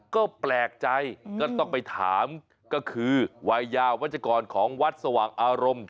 ก็แปลกใจก็ต้องไปถามก็คือวัยยาวัชกรของวัดสว่างอารมณ์